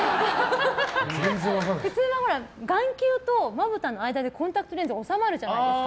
普通、眼球とまぶたの間でコンタクトレンズが収まるじゃないですか。